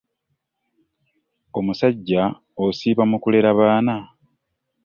Omusajja osiiba mu kulera baana.